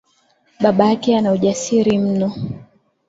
Babake ana ujasiri mno